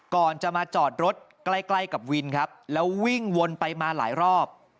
ก่อนจะมาจอดรถใกล้ใกล้กับวินครับแล้ววิ่งวนไปมาหลายรอบ